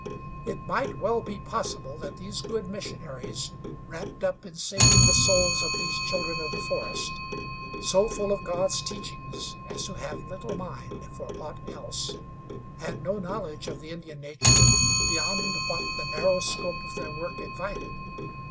It might well be possible that these good missionaries, wrapped up in saving the souls of these children of the forest, so full of God's teachings as to have little mind for aught else, had no knowledge of the Indian nature beyond what the narrow scope of their work invited.